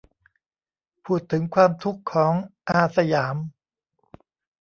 พูดถึงความทุกข์ของ "อาสยาม"